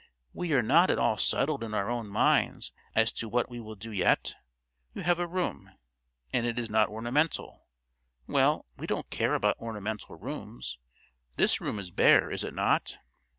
We are not at all settled in our own minds as to what we will do yet. You have a room, and it is not ornamental. Well, we don't care about ornamental rooms. This room is bare, is it not?"